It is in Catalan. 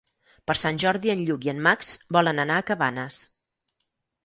Per Sant Jordi en Lluc i en Max volen anar a Cabanes.